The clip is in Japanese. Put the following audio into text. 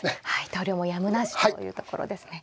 投了もやむなしというところですね。